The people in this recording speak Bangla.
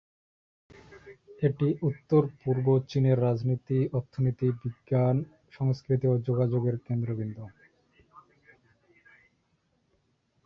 এটি উত্তর-পূর্ব চীনের রাজনীতি, অর্থনীতি, বিজ্ঞান, সংস্কৃতি ও যোগাযোগের কেন্দ্রবিন্দু।